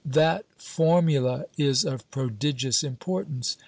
That formula is of prodigious importance.